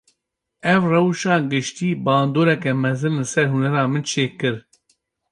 Ev rewşa giştî, bandoreke mezin li ser hunera min çêkir